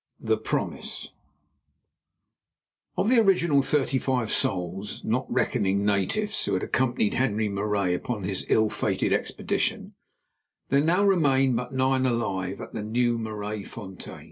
THE PROMISE Of the original thirty five souls, not reckoning natives, who had accompanied Henri Marais upon his ill fated expedition, there now remained but nine alive at the new Maraisfontein.